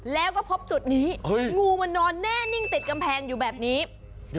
แล้วก็พบจุดนี้งูมันนอนแน่นิ่งติดกำแพงอยู่แบบนี้